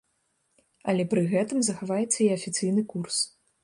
Але пры гэтым захаваецца і афіцыйны курс.